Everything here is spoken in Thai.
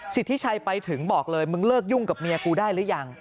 สิทธิชัยไปถึงบอกเลยมึงเลิกยุ่งกับเมียกูได้หรือยัง